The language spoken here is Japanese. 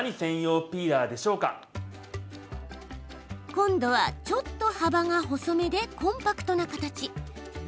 今度は、ちょっと幅が細めでコンパクトな形。